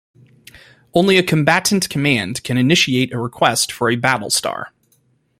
Only a Combatant Command can initiate a request for a battle star.